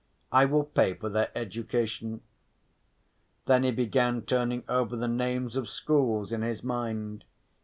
I will pay for their education." Then he began turning over the names of schools in his mind.